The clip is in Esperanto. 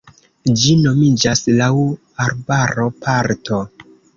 Ĝi nomiĝas laŭ arbaro-parto.